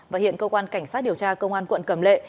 và hiện cơ quan cảnh sát điều tra công an quận cầm lệ